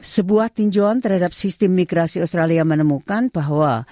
sebuah tinjauan terhadap sistem migrasi australia menemukan bahwa